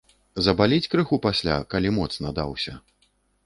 Забаліць крыху пасля, калі моцна даўся.